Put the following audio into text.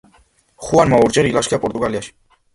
ხუანმა ორჯერ ილაშქრა პორტუგალიაში.